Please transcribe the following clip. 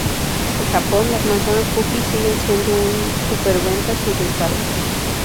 En Japón, las manzanas Fuji siguen siendo un superventas sin rival.